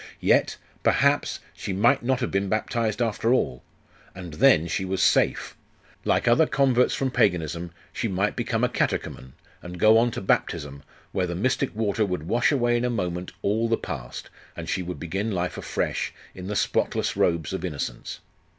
Yet perhaps, she might not have been baptized after all. And then she was safe. Like other converts from Paganism, she might become a catechumen, and go on to baptism, where the mystic water would wash away in a moment all the past, and she would begin life afresh, in the spotless robes of innocence.